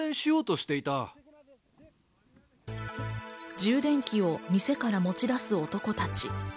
充電器を店から持ち出す男たち。